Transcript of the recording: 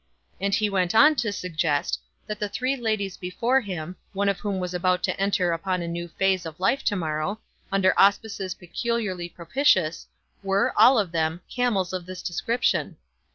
And he went on to suggest that the three ladies before him, one of whom was about to enter upon a new phase of life to morrow, under auspices peculiarly propitious, were, all of them, camels of this description.